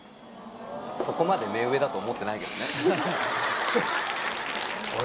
そこまで目上だと思ってないけどね